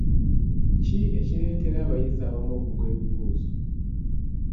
Ki ekireetera abayizi abamu okugwa ebibuuzo?